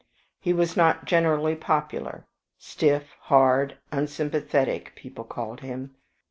He was not generally popular stiff, hard, unsympathetic, people called him.